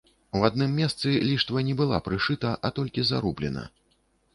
У адным месцы ліштва не была прышыта, а толькі зарублена.